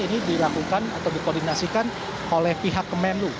ini dilakukan atau dikoordinasikan oleh pihak kemenlu